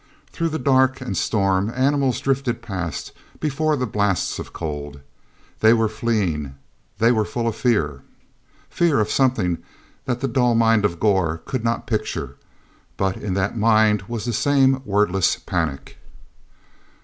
Through the dark and storm, animals drifted past before the blasts of cold. They were fleeing; they were full of fear—fear of something that the dull mind of Gor could not picture. But in that mind was the same wordless panic.